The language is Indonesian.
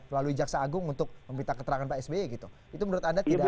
lalu jaksa agung untuk meminta keterangan pak sby gitu itu menurut anda tidak